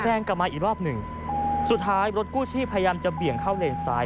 แทนกลับมาอีกรอบนึงสุดท้ายรถกู้ชีพไพยัมจะเปลี่ยงอยู่ในเลนซ้าย